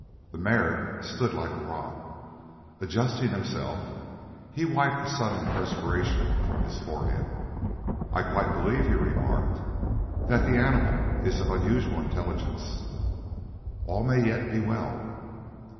The mare stood like a rock. Adjusting himself, he wiped a sudden perspiration from his forehead. "I quite believe," he remarked, "that the animal is of unusual intelligence. All may yet be well!"